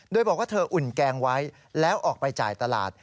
โดยบอกว่าเธออุ่นแกงไว้แล้วออกไปจ่ายตลาด